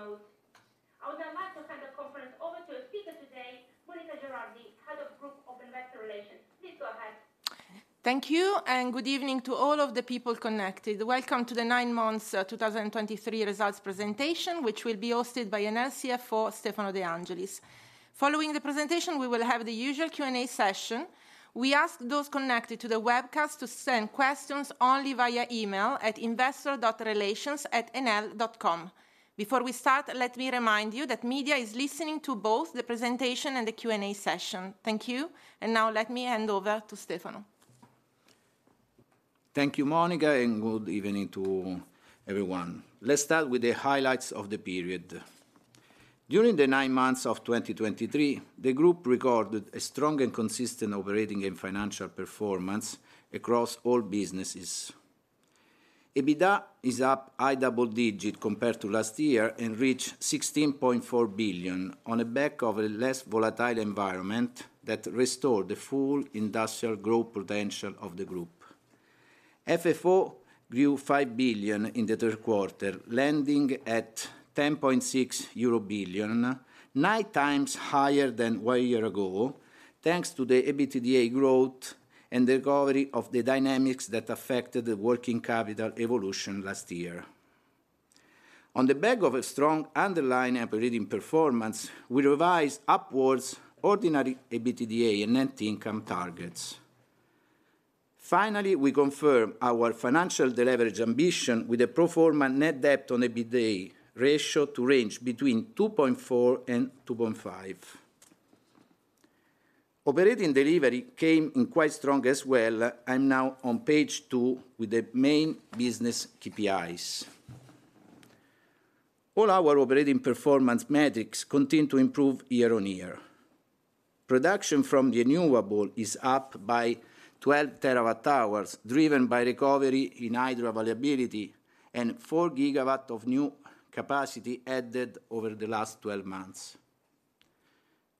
Standing by. Welcome to the Enel Nine Months 2023 Results Conference Call. At this time, all participants are in listen-only mode. I would now like to hand the conference over to our speaker today, Monica Girardi, Head of Group Investor Relations. Please go ahead. Thank you, and good evening to all of the people connected. Welcome to the Nine Months 2023 results presentation, which will be hosted by Enel CFO, Stefano De Angelis. Following the presentation, we will have the usual Q&A session. We ask those connected to the webcast to send questions only via email at investor.relations@enel.com. Before we start, let me remind you that media is listening to both the presentation and the Q&A session. Thank you, and now let me hand over to Stefano. Thank you, Monica, and good evening to everyone. Let's start with the highlights of the period. During the nine months of 2023, the group recorded a strong and consistent operating and financial performance across all businesses. EBITDA is up high double digit compared to last year and reached 16.4 billion on the back of a less volatile environment that restored the full industrial growth potential of the group. FFO grew 5 billion in the third quarter, landing at 10.6 billion euro, 9x higher than one year ago, thanks to the EBITDA growth and the recovery of the dynamics that affected the working capital evolution last year. On the back of a strong underlying operating performance, we revised upwards ordinary EBITDA and net income targets. Finally, we confirm our financial de-leverage ambition with a pro forma net debt on EBITDA ratio to range between 2.4 and 2.5. Operating delivery came in quite strong as well. I'm now on page two with the main business KPIs. All our operating performance metrics continue to improve year-on-year. Production from renewable is up by 12 TWh, driven by recovery in hydro availability and 4 GW of new capacity added over the last 12 months.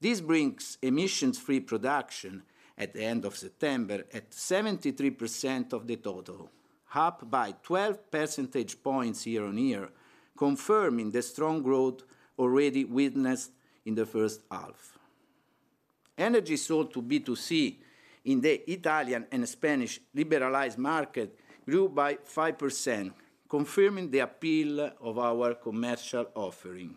This brings emissions-free production at the end of September at 73% of the total, up by 12 percentage points year-on-year, confirming the strong growth already witnessed in the first half. Energy sold to B2C in the Italian and Spanish liberalized market grew by 5%, confirming the appeal of our commercial offering.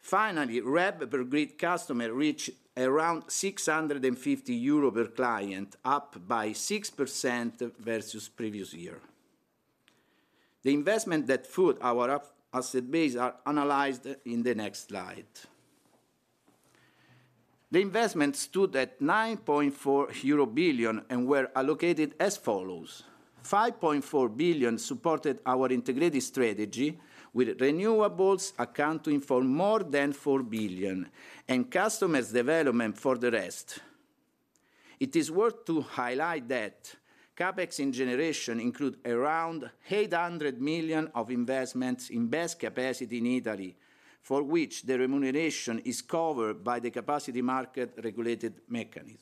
Finally, RAB per grid customer reached around 650 euro per client, up by 6% versus previous year. The investment that feed our asset base are analyzed in the next slide. The investment stood at 9.4 billion euro and were allocated as follows: 5.4 billion supported our integrated strategy, with renewables accounting for more than 4 billion and customers' development for the rest. It is worth to highlight that CapEx in generation include around 800 million of investments in BESS capacity in Italy, for which the remuneration is covered by the Capacity Market regulated mechanism.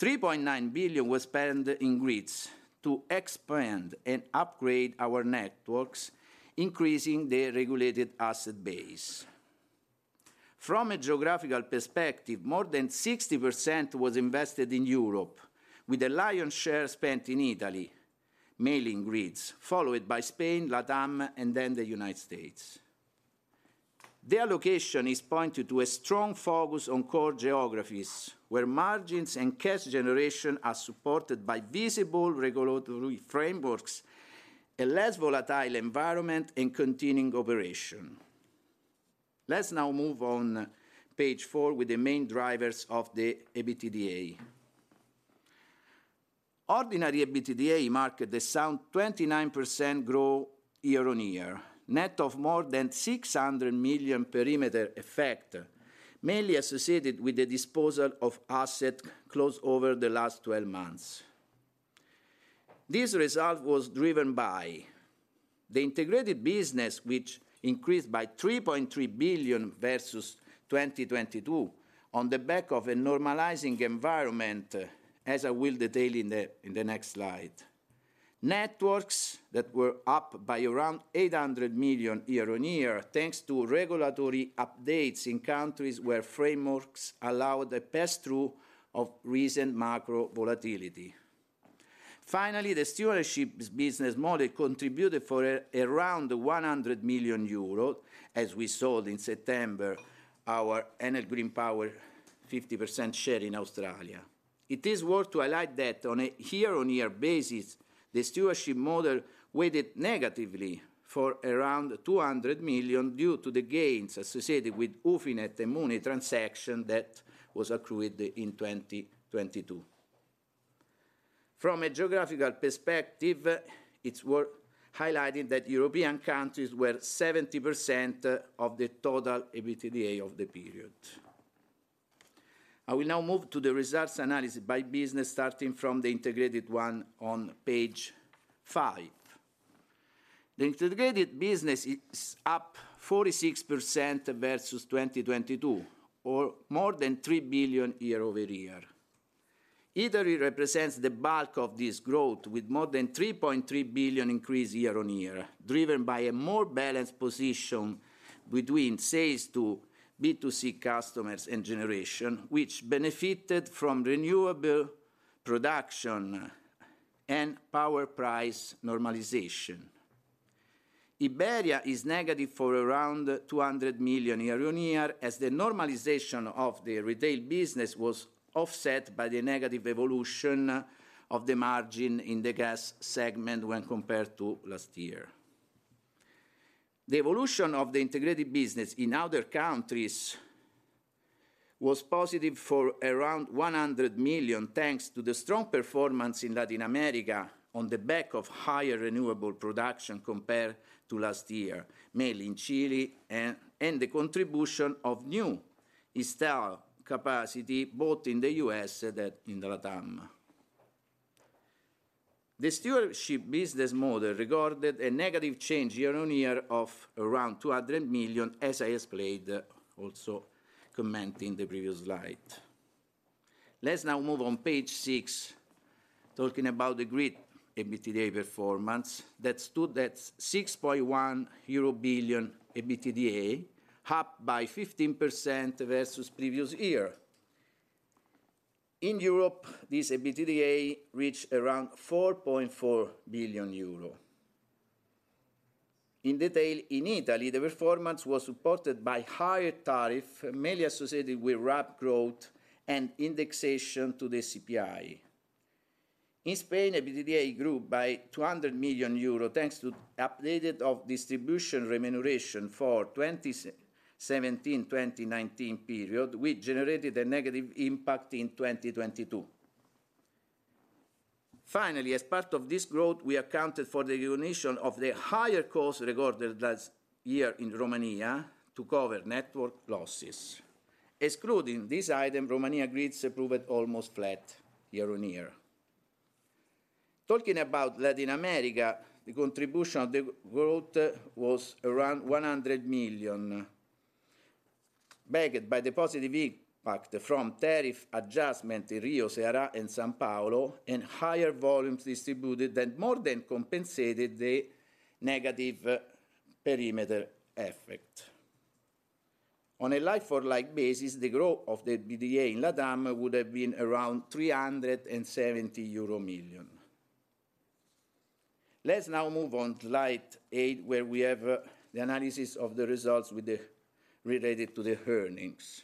3.9 billion was spent in grids to expand and upgrade our networks, increasing the regulated asset base. From a geographical perspective, more than 60% was invested in Europe, with the lion's share spent in Italy, mainly in grids, followed by Spain, LATAM, and then the United States. The allocation is pointed to a strong focus on core geographies, where margins and cash generation are supported by visible regulatory frameworks, a less volatile environment, and continuing operation. Let's now move on page four with the main drivers of the EBITDA. Ordinary EBITDA marked a sound 29% growth year on year, net of more than 600 million perimeter effect, mainly associated with the disposal of asset closed over the last twelve months. This result was driven by the integrated business, which increased by 3.3 billion versus 2022, on the back of a normalizing environment, as I will detail in the, in the next slide. Networks that were up by around 800 million year-on-year, thanks to regulatory updates in countries where frameworks allowed a pass-through of recent macro volatility. Finally, the Stewardship business model contributed for around 100 million euros, as we sold in September our Enel Green Power 50% share in Australia. It is worth to highlight that on a year-on-year basis, the stewardship model weighed negatively for around 200 million due to the gains associated with UFINET and Mooney transaction that was accrued in 2022. From a geographical perspective, it's worth highlighting that European countries were 70% of the total EBITDA of the period. I will now move to the results analysis by business, starting from the integrated one on page five. The integrated business is up 46% versus 2022, or more than 3 billion year-over-year. Italy represents the bulk of this growth, with more than 3.3 billion increase year-on-year, driven by a more balanced position between sales to B2C customers and generation, which benefited from renewable production and power price normalization. Iberia is negative for around 200 million euro year-on-year, as the normalization of the retail business was offset by the negative evolution of the margin in the gas segment when compared to last year. The evolution of the integrated business in other countries was positive for around 100 million, thanks to the strong performance in Latin America on the back of higher renewable production compared to last year, mainly in Chile, and the contribution of new installed capacity, both in the U.S. and in the LATAM. The Stewardship business model recorded a negative change year-on-year of around 200 million, as I explained, also commenting the previous slide. Let's now move on page six, talking about the Grid EBITDA performance that stood at 6.1 billion euro EBITDA, up by 15% versus previous year. In Europe, this EBITDA reached around 4.4 billion euro. In detail, in Italy, the performance was supported by higher tariff, mainly associated with RAB growth and indexation to the CPI. In Spain, EBITDA grew by 200 million euro, thanks to update of distribution remuneration for 2017-2019 period, which generated a negative impact in 2022. Finally, as part of this growth, we accounted for the recognition of the higher cost recorded last year in Romania to cover network losses. Excluding this item, Romania Grids proved almost flat year-on-year. Talking about Latin America, the contribution of the growth was around 100 million, backed by the positive impact from tariff adjustment in Rio, Ceará, and São Paulo, and higher volumes distributed that more than compensated the negative perimeter effect. On a like-for-like basis, the growth of the EBITDA in LATAM would have been around 370 million euro. Let's now move on to slide eight, where we have the analysis of the results with the related to the earnings.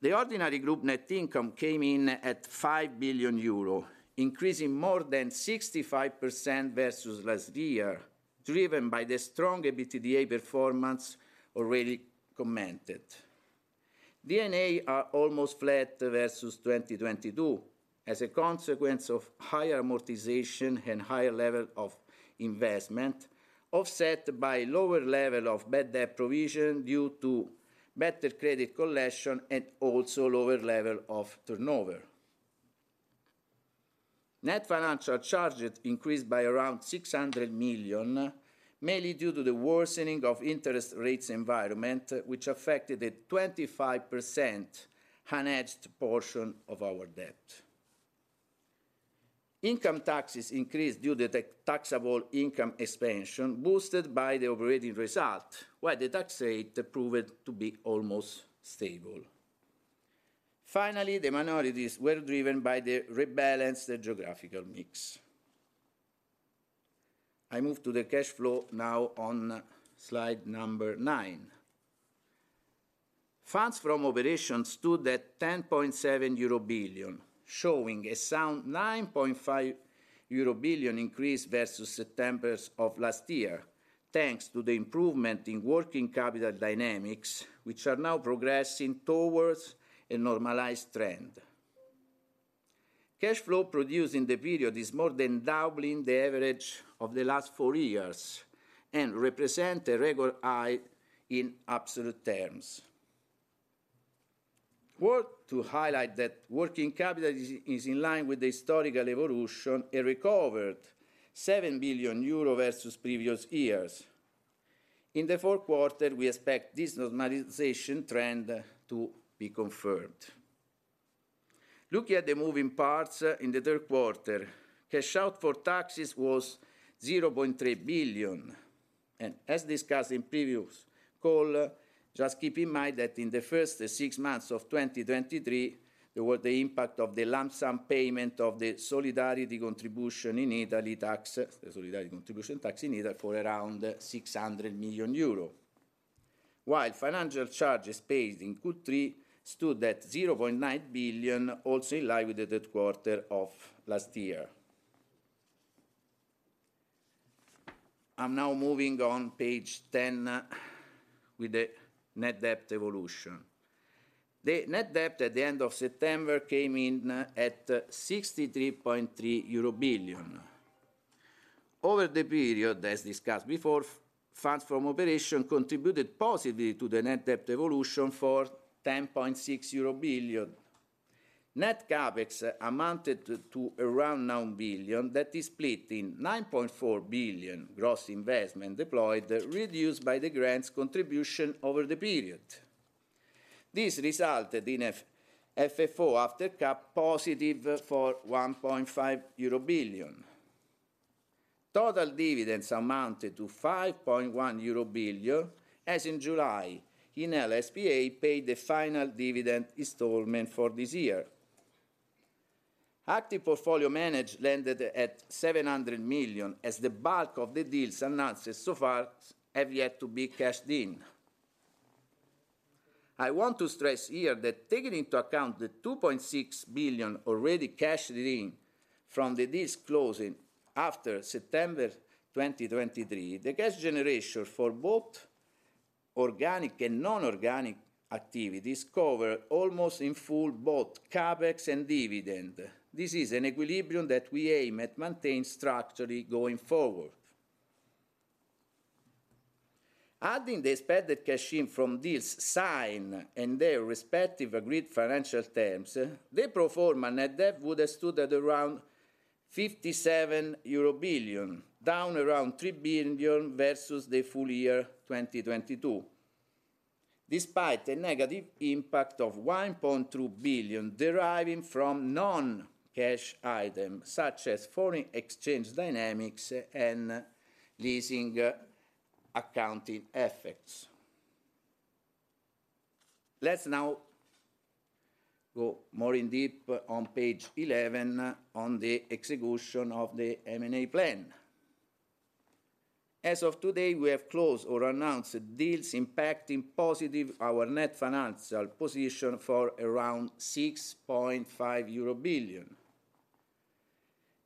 The ordinary group net income came in at 5 billion euro, increasing more than 65% versus last year, driven by the strong EBITDA performance already commented. D&A are almost flat versus 2022, as a consequence of higher amortization and higher level of investment, offset by lower level of bad debt provision due to better credit collection and also lower level of turnover. Net financial charges increased by around 600 million, mainly due to the worsening of interest rates environment, which affected a 25% unhedged portion of our debt. Income taxes increased due to the taxable income expansion, boosted by the operating result, while the tax rate proved to be almost stable. Finally, the minorities were driven by the rebalanced geographical mix. I move to the cash flow now on slide number nine. Funds from operations stood at 10.7 billion euro, showing a sound 9.5 billion euro increase versus September of last year, thanks to the improvement in working capital dynamics, which are now progressing towards a normalized trend. Cash flow produced in the period is more than doubling the average of the last four years and represent a record high in absolute terms. Worth to highlight that working capital is in line with the historical evolution and recovered 7 billion euro versus previous years. In the fourth quarter, we expect this normalization trend to be confirmed. Looking at the moving parts in the third quarter, cash out for taxes was 0.3 billion. As discussed in previous call, just keep in mind that in the first six months of 2023, there were the impact of the lump sum payment of the solidarity contribution in Italy tax, the solidarity contribution tax in Italy, for around 600 million euro. While financial charges paid in Q3 stood at 0.9 billion, also in line with the third quarter of last year. I'm now moving on to page 10, with the net debt evolution. The net debt at the end of September came in at 63.3 billion euro. Over the period, as discussed before, funds from operation contributed positively to the net debt evolution for 10.6 billion euro. Net CapEx amounted to around 9 billion, that is split in 9.4 billion gross investment deployed, reduced by the grants contribution over the period. This resulted in FFO after CapEx positive for 1.5 billion euro. Total dividends amounted to 5.1 billion euro, as in July, Enel S.p.A. paid the final dividend installment for this year. Active portfolio management landed at 700 million, as the bulk of the deals announced so far have yet to be cashed in. I want to stress here that taking into account the 2.6 billion already cashed in from the deals closing after September 2023, the cash generation for both organic and non-organic activities cover almost in full both CapEx and dividend. This is an equilibrium that we aim to maintain structurally going forward. Adding the expected cash in from deals signed and their respective agreed financial terms, the pro forma net debt would have stood at around 57 billion euro, down around 3 billion versus the full year 2022, despite a negative impact of 1.2 billion deriving from non-cash items, such as foreign exchange dynamics and leasing accounting effects. Let's now go more in depth on page 11, on the execution of the M&A plan. As of today, we have closed or announced deals impacting positively our net financial position for around 6.5 billion euro.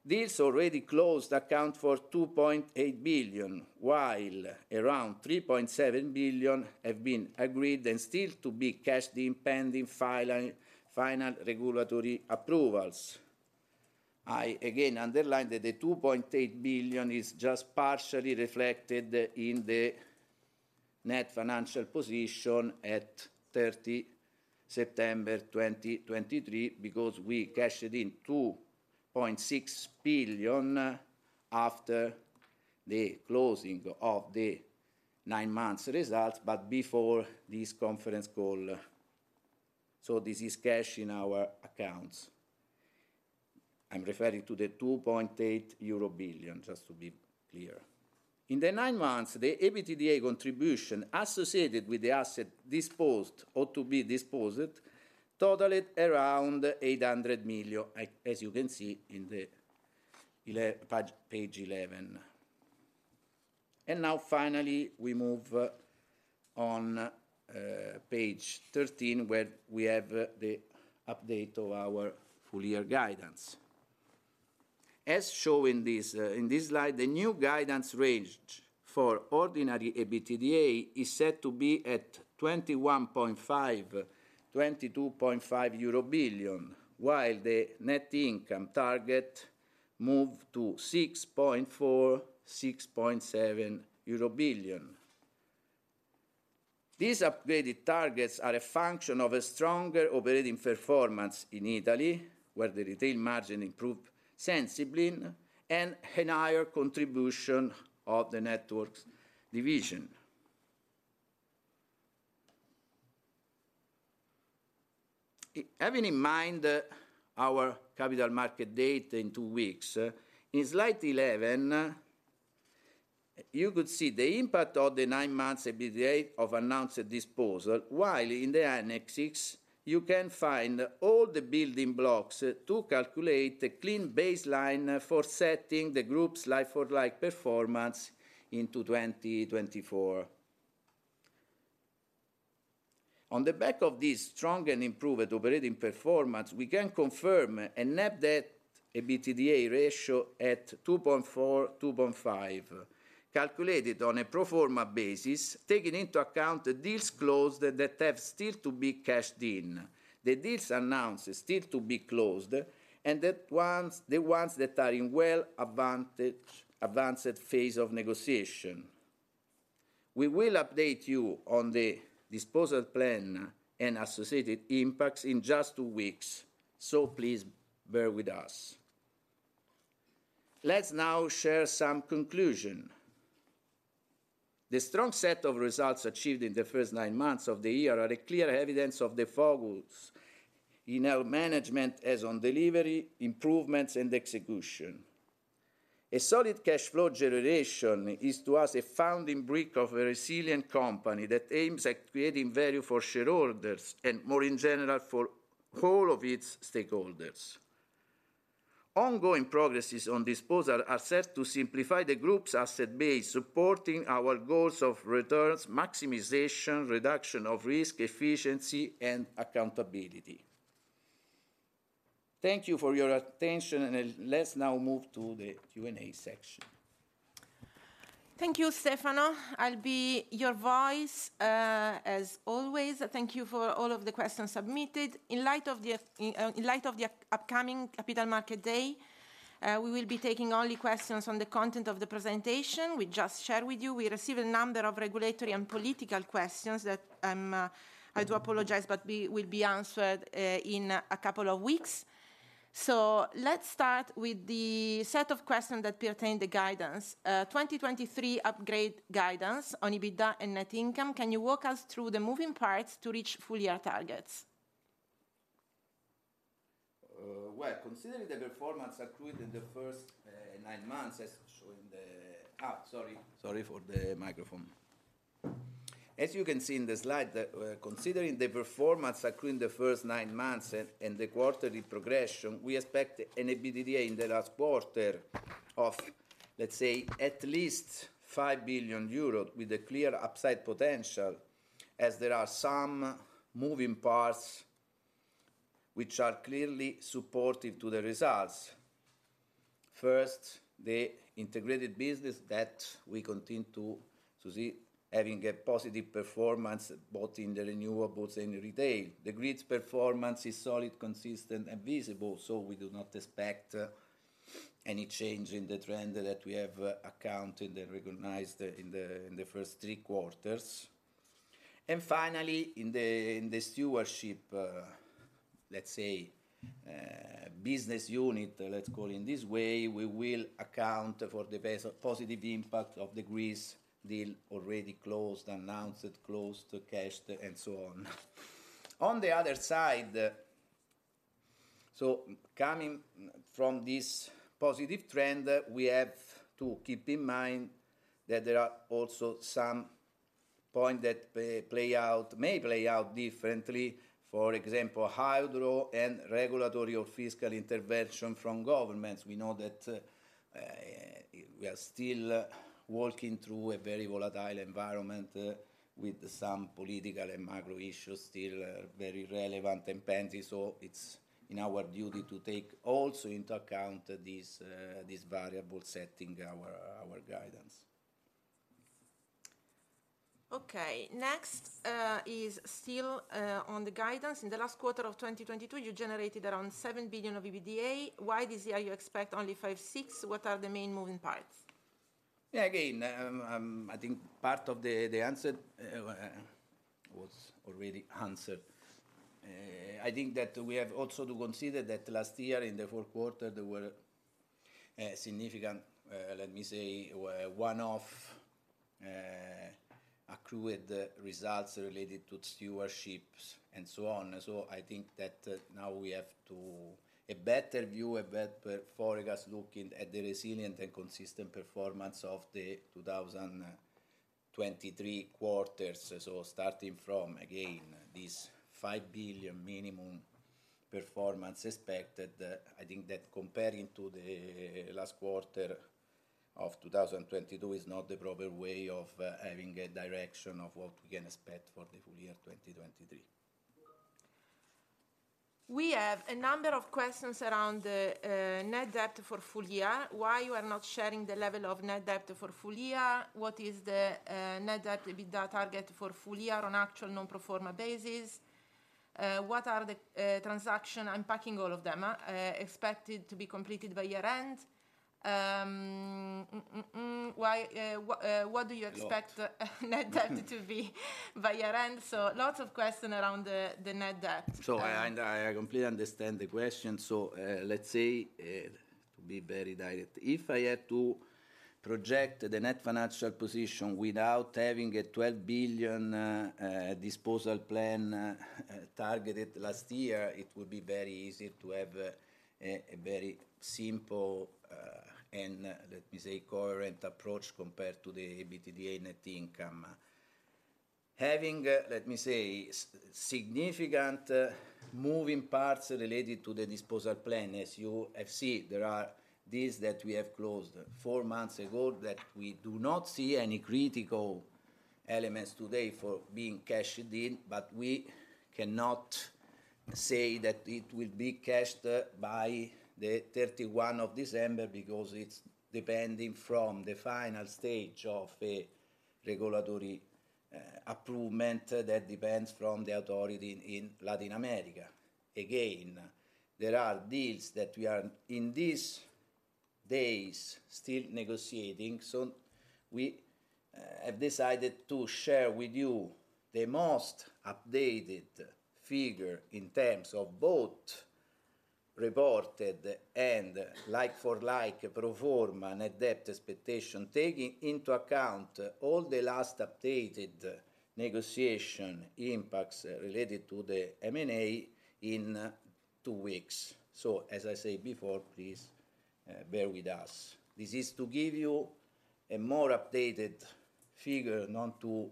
Deals already closed account for 2.8 billion, while around 3.7 billion have been agreed and still to be cashed in, pending final, final regulatory approvals. I again underline that the 2.8 billion is just partially reflected in the net financial position at 30 September 2023, because we cashed in 2.6 billion after the closing of the nine months results, but before this conference call. So this is cash in our accounts. I'm referring to the 2.8 billion euro, just to be clear. In the nine months, the EBITDA contribution associated with the asset disposed or to be disposed totaled around 800 million, as you can see in the page, page 11. And now, finally, we move on, page 13, where we have the update of our full year guidance. As shown in this, in this slide, the new guidance range for ordinary EBITDA is set to be at 21.5 billion-22.5 billion euro, while the net income target moved to 6.4 billion-6.7 billion euro. These upgraded targets are a function of a stronger operating performance in Italy, where the retail margin improved sensibly and a higher contribution of the networks division. Having in mind, our Capital Market Day in two weeks, in slide 11, you could see the impact of the nine months EBITDA of announced disposal, while in the annexes, you can find all the building blocks to calculate the clean baseline for setting the group's like-for-like performance into 2024. On the back of this strong and improved operating performance, we can confirm a net debt EBITDA ratio at 2.4, 2.5, calculated on a pro forma basis, taking into account the deals closed that have still to be cashed in, the deals announced still to be closed, and the ones that are in advanced phase of negotiation. We will update you on the disposal plan and associated impacts in just two weeks, so please bear with us. Let's now share some conclusion. The strong set of results achieved in the first nine months of the year are a clear evidence of the focus in our management as on delivery, improvements, and execution. A solid cash flow generation is, to us, a founding brick of a resilient company that aims at creating value for shareholders and more in general, for all of its stakeholders. Ongoing progresses on disposal are set to simplify the group's asset base, supporting our goals of returns, maximization, reduction of risk, efficiency, and accountability. Thank you for your attention, and let's now move to the Q&A section. Thank you, Stefano. I'll be your voice, as always. Thank you for all of the questions submitted. In light of the upcoming Capital Market Day. We will be taking only questions on the content of the presentation we just shared with you. We received a number of regulatory and political questions that, I do apologize, but will be answered in a couple of weeks. So let's start with the set of questions that pertain the guidance. 2023 upgrade guidance on EBITDA and net income. Can you walk us through the moving parts to reach full year targets? Well, considering the performance accrued in the first nine months, as shown in the... As you can see in the slide, considering the performance accrued in the first nine months and the quarterly progression, we expect an EBITDA in the last quarter of, let's say, at least 5 billion euros, with a clear upside potential, as there are some moving parts which are clearly supportive to the results. First, the integrated business that we continue to see having a positive performance, both in the renewables and retail. The grids performance is solid, consistent, and visible, so we do not expect any change in the trend that we have accounted and recognized in the first three quarters. Finally, in the stewardship business unit, let's say, let's call it this way, we will account for the base of positive impact of the Greece deal already closed, announced, closed, cashed, and so on. On the other side, coming from this positive trend, we have to keep in mind that there are also some points that may play out differently. For example, hydro and regulatory or fiscal intervention from governments. We know that we are still working through a very volatile environment with some political and macro issues still very relevant and pending, so it's in our duty to take also into account these variables setting our guidance. Okay. Next, is still on the guidance. In the last quarter of 2022, you generated around 7 billion of EBITDA. Why this year you expect only 5-6? What are the main moving parts? Yeah, again, I think part of the answer was already answered. I think that we have also to consider that last year, in the fourth quarter, there were significant, let me say, one-off accrued results related to stewardships and so on. So I think that now we have to... A better view, a better forecast, looking at the resilient and consistent performance of the 2023 quarters. So starting from, again, this 5 billion minimum performance expected, I think that comparing to the last quarter of 2022 is not the proper way of having a direction of what we can expect for the full year 2023. We have a number of questions around the Net Debt for full year. Why you are not sharing the level of Net Debt for full year? What is the Net Debt EBITDA target for full year on actual non-pro forma basis? What are the transaction? I'm packing all of them expected to be completed by year-end. Why what what do you expect- A lot... Net Debt to be by year-end? So lots of question around the Net Debt. So I completely understand the question. So, let's say, to be very direct, if I had to project the net financial position without having a 12 billion disposal plan targeted last year, it would be very easy to have a very simple, and, let me say, current approach compared to the EBITDA net income. Having, let me say, significant moving parts related to the disposal plan, as you have seen, there are deals that we have closed four months ago that we do not see any critical elements today for being cashed in, but we cannot say that it will be cashed by the 31 December, because it's depending from the final stage of a regulatory approval, and that depends from the authority in Latin America. Again, there are deals that we are, in these days, still negotiating, so we have decided to share with you the most updated figure in terms of both reported and like for like pro forma net debt expectation, taking into account all the last updated negotiation impacts related to the M&A in two weeks. So, as I said before, please bear with us. This is to give you a more updated figure, not to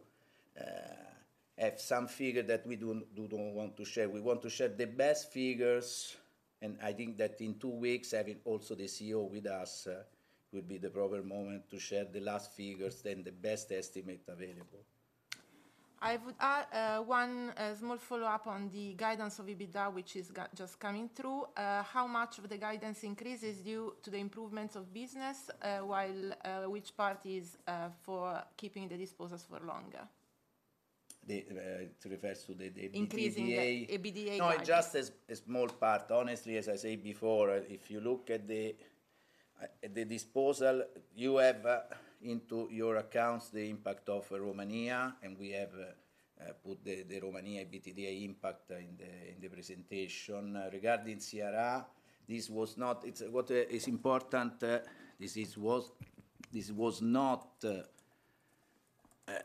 have some figure that we don't want to share. We want to share the best figures, and I think that in two weeks, having also the CEO with us, will be the proper moment to share the last figures, the best estimate available. I would one small follow-up on the guidance of EBITDA, which is just coming through. How much of the guidance increase is due to the improvements of business, while which part is for keeping the disposals for longer? ... the, it refers to the, the EBITDA- Increasing the EBITDA guidance. No, just a small part. Honestly, as I said before, if you look at the disposal, you have into your accounts the impact of Romania, and we have put the Romania EBITDA impact in the presentation. Regarding Ceará, this was not. It's what is important, this was not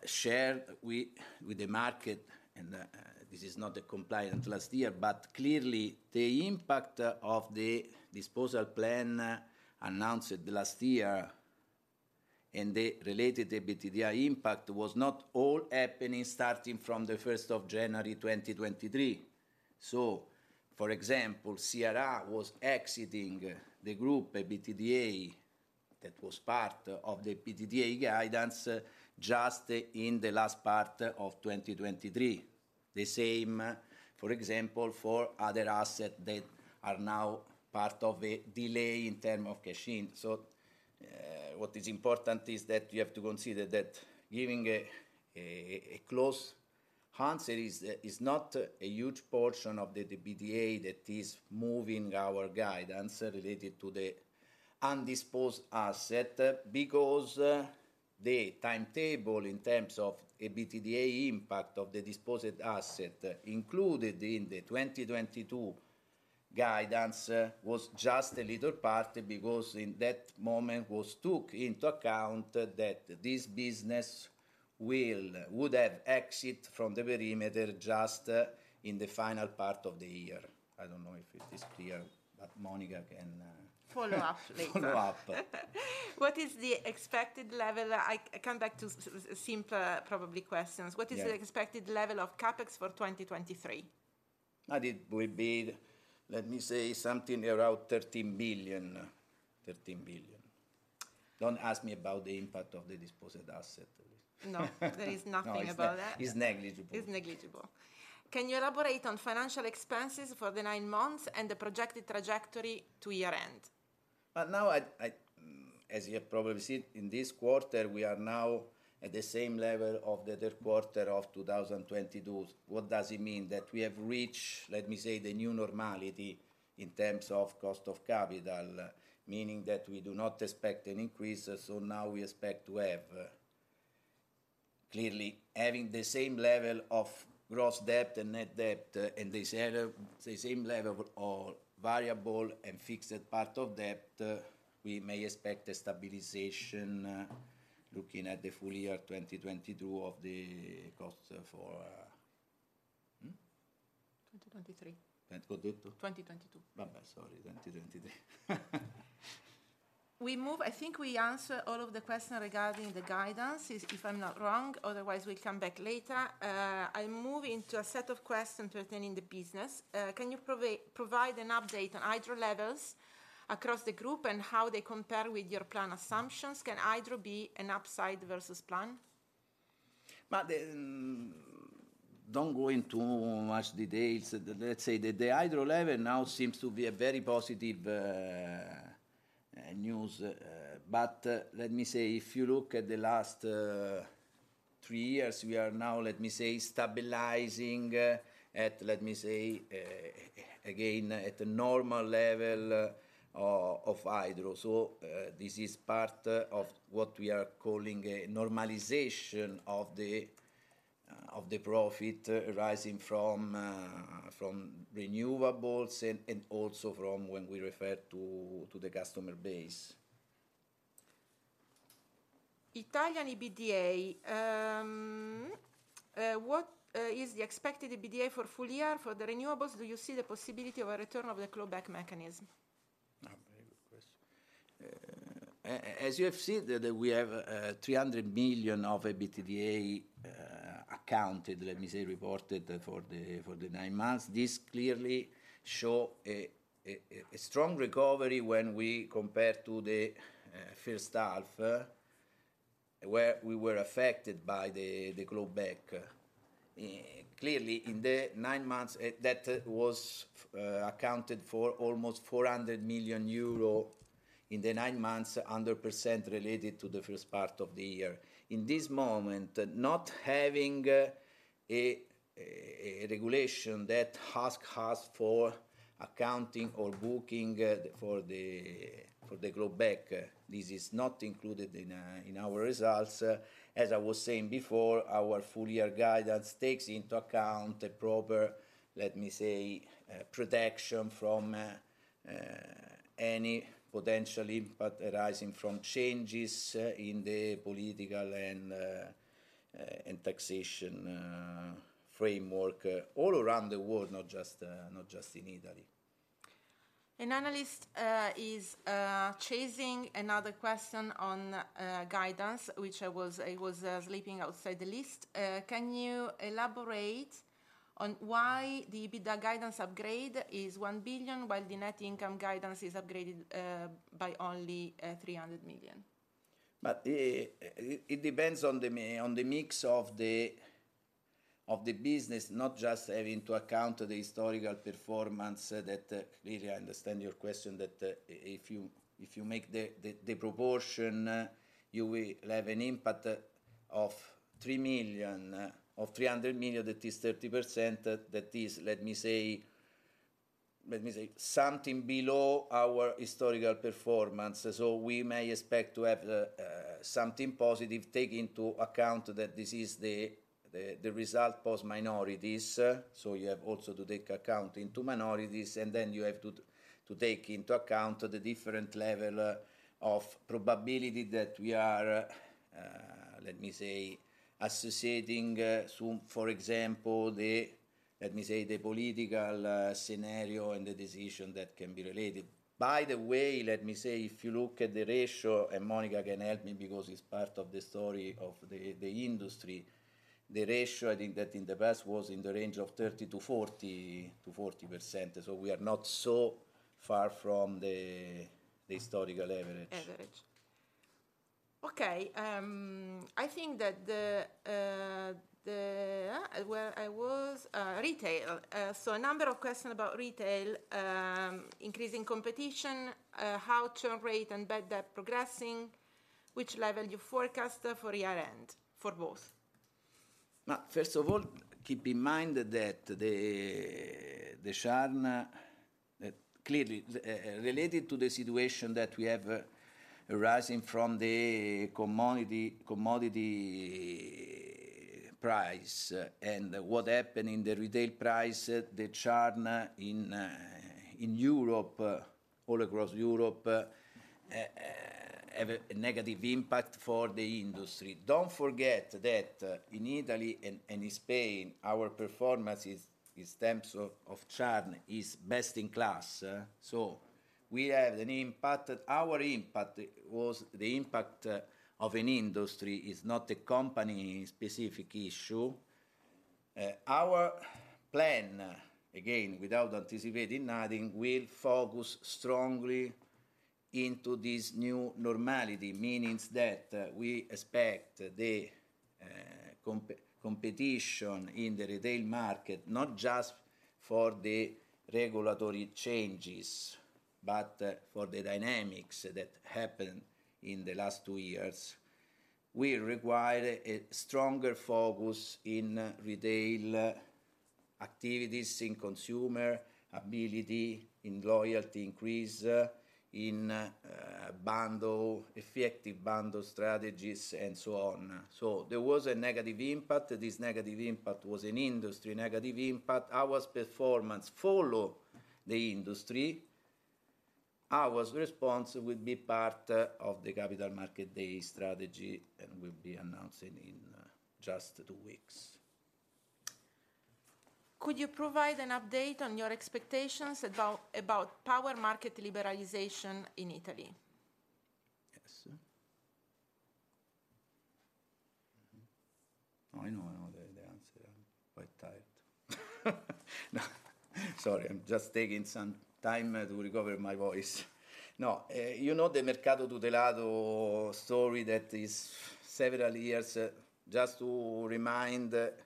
shared with the market, and this is not a compliant last year. But clearly, the impact of the disposal plan announced last year and the related EBITDA impact was not all happening starting from the 1st of January 2023. So, for example, Ceará was exiting the group EBITDA that was part of the EBITDA guidance just in the last part of 2023. The same, for example, for other assets that are now part of a delay in terms of cash in. So, what is important is that you have to consider that giving a close answer is not a huge portion of the EBITDA that is moving our guidance related to the undisposed assets. Because, the timetable in terms of EBITDA impact of the disposed assets included in the 2022 guidance was just a little part, because in that moment was took into account that this business would have exit from the perimeter just in the final part of the year. I don't know if it is clear, but Monica can, Follow up later. Follow up. What is the expected level... I come back to simpler, probably, questions. Yeah. What is the expected level of CapEx for 2023? It will be, let me say, something around 13 billion, 13 billion. Don't ask me about the impact of the disposed asset. No, there is nothing about that. It's negligible. It's negligible. Can you elaborate on financial expenses for the nine months and the projected trajectory to year-end? But now, as you have probably seen, in this quarter, we are now at the same level of the third quarter of 2022. What does it mean? That we have reached, let me say, the new normality in terms of cost of capital, meaning that we do not expect an increase, so now we expect to have clearly having the same level of gross debt and net debt, and the same level of variable and fixed part of debt, we may expect a stabilization, looking at the full year 2022 of the cost for. 2023. 2022? 2022. Sorry, 2023. I think we answer all of the questions regarding the guidance, if I'm not wrong, otherwise, we come back later. I move into a set of questions pertaining to the business. Can you provide an update on hydro levels across the group, and how they compare with your plan assumptions? Can hydro be an upside versus plan? But then, don't go into much details. Let's say that the hydro level now seems to be a very positive news. But let me say, if you look at the last three years, we are now, let me say, stabilizing at, let me say, again, at normal level of hydro. So, this is part of what we are calling a normalization of the profit rising from renewables and also from when we refer to the customer base. Italian EBITDA. What is the expected EBITDA for full year? For the renewables, do you see the possibility of a return of the Clawback mechanism? Oh, very good question. As you have seen, that we have 300 million of EBITDA accounted, let me say, reported for the nine months. This clearly show a strong recovery when we compare to the first half where we were affected by the clawback. Clearly, in the nine months, that was accounted for almost 400 million euro in the nine months, 100% related to the first part of the year. In this moment, not having a regulation that ask us for accounting or booking for the clawback, this is not included in our results. As I was saying before, our full-year guidance takes into account a proper, let me say, protection from any potential impact arising from changes in the political and taxation framework all around the world, not just in Italy. An analyst is chasing another question on guidance, which I was leaving outside the list. Can you elaborate on why the EBITDA guidance upgrade is 1 billion, while the net income guidance is upgraded by only 300 million? But it depends on the mix of the business, not just having into account the historical performance. Clearly, I understand your question, that if you make the proportion, you will have an impact of 300 million, that is 30%. That is, let me say, something below our historical performance, so we may expect to have something positive, take into account that this is the result post minorities. So you have also to take account into minorities, and then you have to take into account the different level of probability that we are associating, for example, the political scenario and the decision that can be related. By the way, let me say, if you look at the ratio, and Monica can help me because it's part of the story of the industry, the ratio, I think, that in the past was in the range of 30%-40%, so we are not so far from the historical average. Average. Okay, I think that the... Where I was? Retail. So a number of question about retail, increasing competition, how churn rate and bad debt progressing, which level you forecast, for year-end, for both? Now, first of all, keep in mind that the churn clearly related to the situation that we have arising from the commodity price and what happened in the retail price, the churn in Europe, all across Europe, have a negative impact for the industry. Don't forget that in Italy and in Spain, our performance is, in terms of churn, best in class, so we have an impact. Our impact was the impact of an industry, is not a company-specific issue. Our plan, again, without anticipating nothing, will focus strongly into this new normality, meaning that we expect the competition in the retail market, not just for the regulatory changes, but for the dynamics that happened in the last two years. We require a stronger focus in retail activities, in consumer ability, in loyalty increase, in effective bundle strategies, and so on. So there was a negative impact. This negative impact was an industry negative impact. Our performance follow the industry. Our response will be part of the Capital Market Day strategy, and we'll be announcing in just two weeks. Could you provide an update on your expectations about power market liberalization in Italy? Yes, sir. Mm-hmm. Oh, I know, I know the answer. I'm quite tired. No, sorry, I'm just taking some time to recover my voice. No, you know, the Mercato Tutelato story that is several years. Just to remind, it,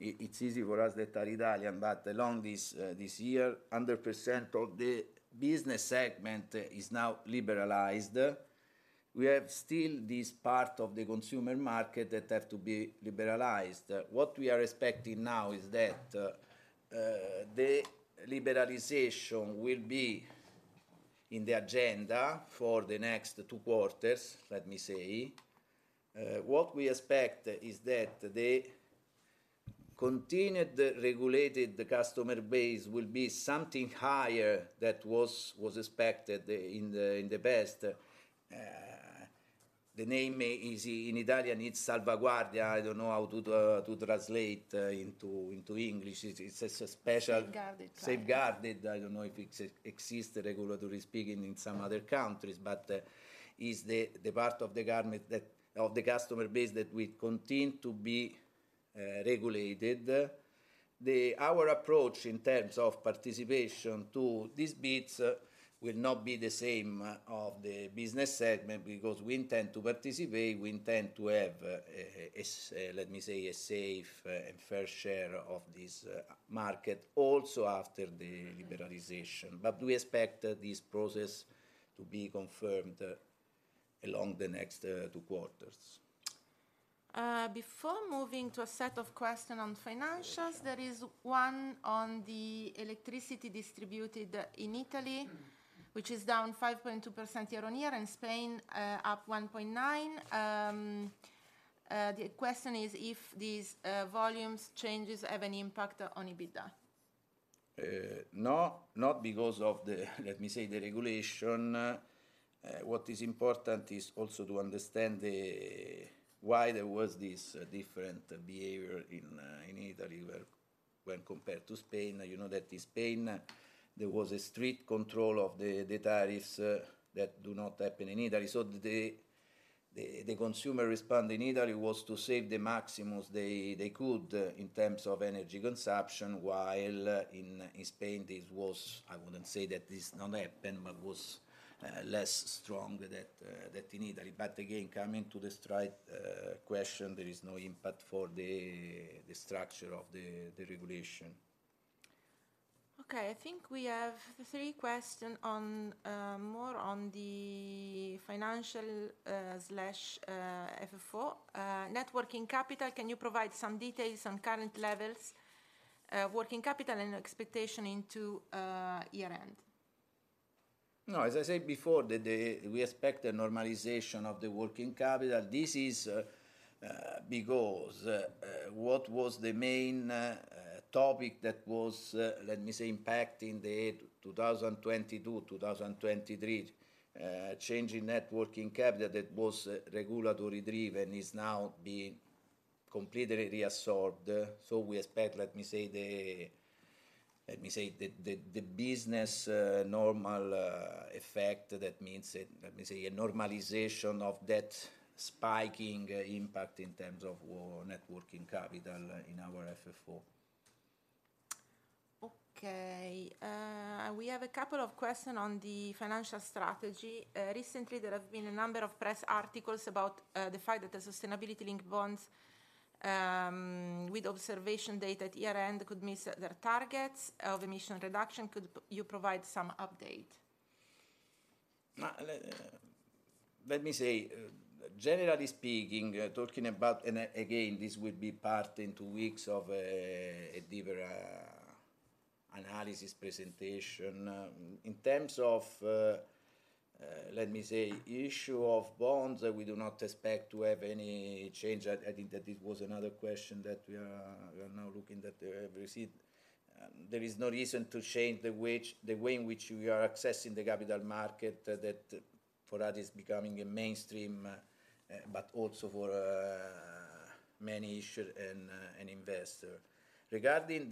it's easy for us that are Italian, but along this, this year, 100% of the business segment is now liberalized. We have still this part of the consumer market that have to be liberalized. What we are expecting now is that, the liberalization will be in the agenda for the next two quarters, let me say. What we expect is that the continued regulated customer base will be something higher than was expected, in the past. The name is, in Italian, it's Salvaguardia. I don't know how to translate into English. It's a special- Safeguarded. Safeguarded. I don't know if it exists, regulatory speaking, in some other countries, but is the part of the customer base that will continue to be regulated. Our approach in terms of participation to these bids will not be the same of the business segment, because we intend to participate, we intend to have a, let me say, a safe and fair share of this market, also after the liberalization. But we expect this process to be confirmed along the next two quarters. Before moving to a set of question on financials, there is one on the electricity distributed in Italy, which is down 5.2% year-on-year, in Spain, up 1.9%. The question is, if these volumes changes have any impact on EBITDA? No, not because of the, let me say, the regulation. What is important is also to understand why there was this different behavior in Italy when compared to Spain. You know that in Spain, there was a strict control of the tariffs that do not happen in Italy. So the consumer response in Italy was to save the maximum they could in terms of energy consumption, while in Spain, this was... I wouldn't say that this not happened, but was less strong than in Italy. But again, coming to the straight question, there is no impact for the structure of the regulation. Okay, I think we have three question on more on the financial slash FFO. Net working capital, can you provide some details on current levels, working capital and expectation into year-end?... No, as I said before, that the, we expect a normalization of the working capital. This is because what was the main topic that was, let me say, impacting the year 2022, 2023, change in net working capital that was regulatory driven, is now being completely reabsorbed. So we expect, let me say, the, let me say, the, the business normal effect. That means, let me say, a normalization of that spiking impact in terms of net working capital in our FFO. Okay. We have a couple of question on the financial strategy. Recently, there have been a number of press articles about the fact that the Sustainability-Linked Bonds with observation data at year-end could miss their targets of emission reduction. Could you provide some update? Let me say, generally speaking, talking about... And again, this will be part in two weeks of a deeper analysis presentation. In terms of, let me say, issue of bonds, we do not expect to have any change. I think that this was another question that we are now looking at received. There is no reason to change the way in which we are accessing the capital market, that for us is becoming a mainstream, but also for many issuer and investor. Regarding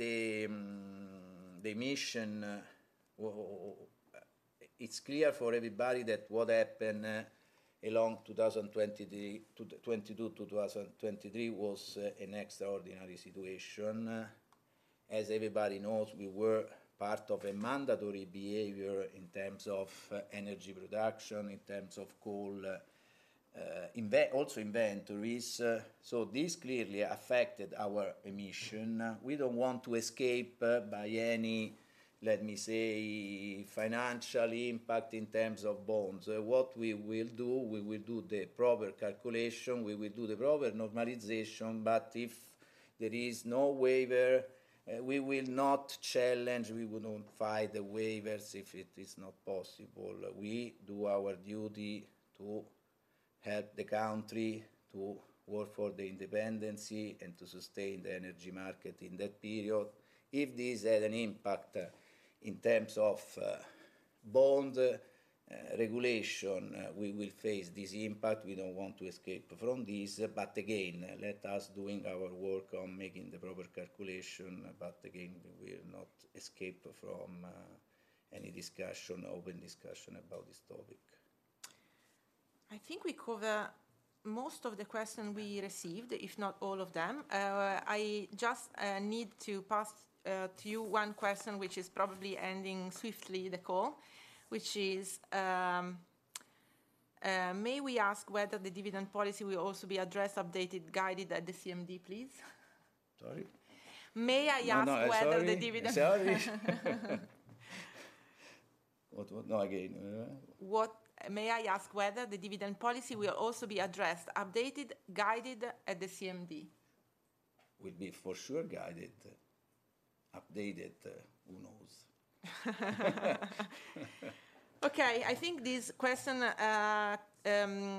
the emission, it's clear for everybody that what happened along 2022-2023 was an extraordinary situation. As everybody knows, we were part of a mandatory behavior in terms of energy production, in terms of coal, also inventories, so this clearly affected our emissions. We don't want to escape by any, let me say, financial impact in terms of bonds. What we will do, we will do the proper calculation, we will do the proper normalization, but if there is no waiver, we will not challenge, we will not fight the waivers if it is not possible. We do our duty to help the country, to work for the independence, and to sustain the energy market in that period. If this had an impact in terms of bond regulation, we will face this impact. We don't want to escape from this. But again, let us doing our work on making the proper calculation, but again, we will not escape from any discussion, open discussion about this topic. I think we cover most of the question we received, if not all of them. I just need to pass to you one question, which is probably ending swiftly the call, which is: May we ask whether the dividend policy will also be addressed, updated, guided at the CMD, please? Sorry? May I ask whether- No, no, sorry.... the dividend? What, what? No, again. May I ask whether the dividend policy will also be addressed, updated, guided at the CMD? Will be for sure guided. Updated, who knows? Okay, I think this question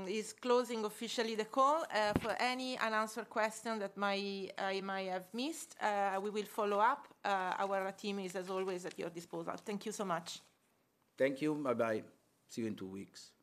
is closing officially the call. For any unanswered question that I might have missed, we will follow up. Our team is, as always, at your disposal. Thank you so much. Thank you. Bye-bye. See you in two weeks.